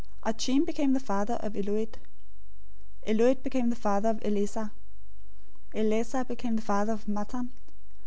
Achim became the father of Eliud. 001:015 Eliud became the father of Eleazar. Eleazar became the father of Matthan.